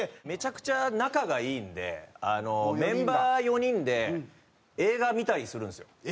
めちゃくちゃ仲がいいんでメンバー４人で映画見たりするんですよ。